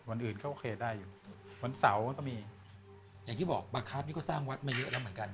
อื่นก็โอเคได้อยู่วันเสาร์ก็มีอย่างที่บอกบังคับนี่ก็สร้างวัดมาเยอะแล้วเหมือนกัน